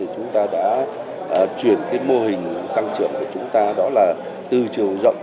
chúng ta đã chuyển mô hình tăng trưởng của chúng ta đó là từ chiều rộng